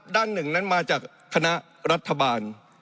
ด้านหนึ่งนั้นมาจากคณะรัฐบาล